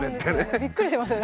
びっくりしますよね